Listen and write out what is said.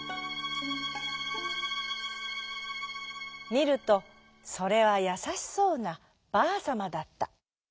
みるとそれはやさしそうなばあさまだった。